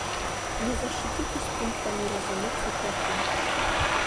Не защититесь пунктами резолюций-плотин.